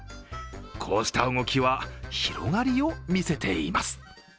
こうした動きは広がりを見せています。